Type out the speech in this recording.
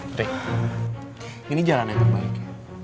trik ini jalan yang terbaik